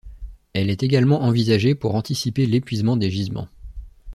Elle est également envisagée pour anticiper l'épuisement des gisements.